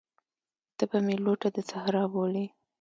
ته به مي لوټه د صحرا بولې